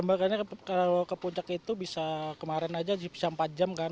makanya kalau ke puncak itu bisa kemarin aja bisa empat jam kan